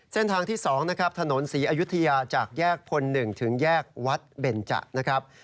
เส้นทางที่๒นะครับถนนศรีอยุธยาจากแยกพล๑ถึงแยกวัดเบนจะนะครับ